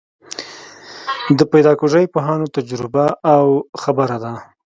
د پیداکوژۍ پوهانو تجربه او خبره ده.